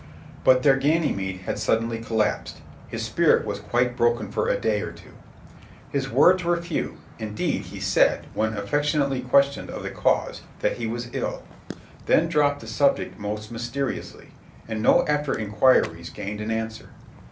But their Ganymeade had suddenly collapsed ; his spirit was quite broken for a day or two; his words were few — indeed he said, when affectionately questioned of the cause, that he was ill; then dropped the subject most mysteriously, and no after inquir ies gained an answer.